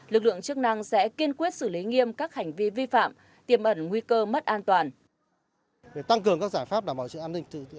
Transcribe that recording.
lực lượng chức năng sẽ kiên quyết xử lý nghiêm các hành vi vi phạm tiềm ẩn nguy cơ mất an toàn